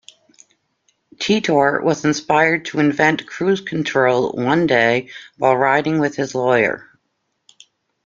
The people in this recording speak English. Teetor was inspired to invent cruise control one day while riding with his lawyer.